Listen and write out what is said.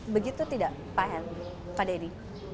begitu tidak paham pak dedy